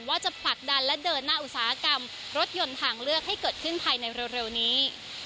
ว่าจะผลักดันและเดินหน้าอุตสาหกรรมรถยนต์ทางเลือกให้เกิดขึ้นภายในเร็วนี้